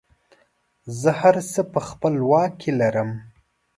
زه هر څه په خپله واک کې لرم.